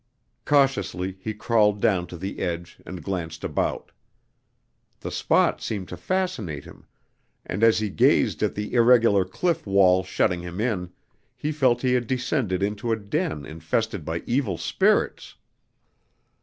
Cautiously he crawled down to the edge and glanced about! The spot seemed to fascinate him, and as he gazed at the irregular cliff wall shutting him in, he felt he had descended into a den infested by evil spirits!